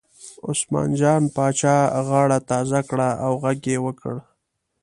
عثمان جان پاچا غاړه تازه کړه او غږ یې وکړ.